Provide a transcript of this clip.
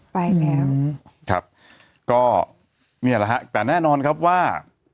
ไปแล้วครับก็เนี่ยแหละฮะแต่แน่นอนครับว่า